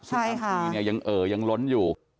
สุดท้านชีเนี่ยยังเอ่ยังล้นอยู่